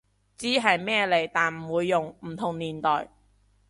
知係咩嚟但唔會用，唔同年代